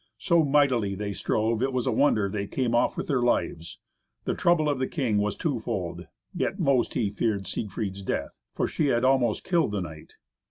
So mightily they strove, it was a wonder they came off with their lives. The trouble of the king was twofold, yet most he feared Siegfried's death. For she had almost killed the knight.